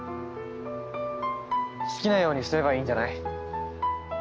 好きなようにすればいいんじゃない？